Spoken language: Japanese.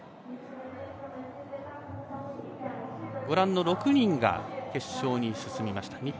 ご覧の６人が決勝に進みました。